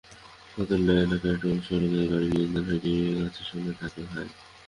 ফইল্ল্যাতলী এলাকায় টোল সড়কে গাড়ি নিয়ন্ত্রণ হারিয়ে গাছের সঙ্গে ধাক্কা খায়।